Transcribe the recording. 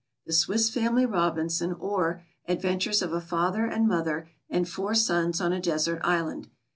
The Swiss Family Robinson; or, Adventures of a Father and Mother and Four Sons on a Desert Island.